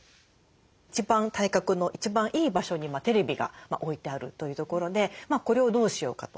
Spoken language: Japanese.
一番対角の一番いい場所にテレビが置いてあるというところでこれをどうしようかと。